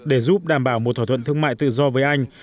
để giúp đảm bảo một thỏa thuận thương mại tự do với anh